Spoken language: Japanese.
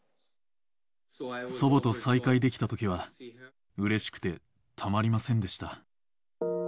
祖母と再会できたときは、うれしくてたまりませんでした。